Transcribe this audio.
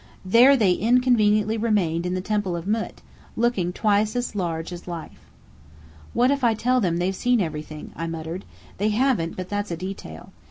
There they inconveniently remained in the Temple of Mût, looking twice as large as life. "What if I tell them they've seen everything?" I muttered. "They haven't, but that's a detail.